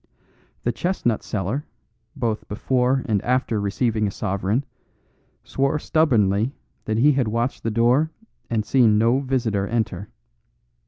The chestnut seller, both before and after receiving a sovereign, swore stubbornly that he had watched the door and seen no visitor enter.